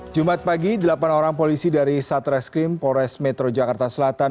jumat pagi delapan orang polisi dari satreskrim polres metro jakarta selatan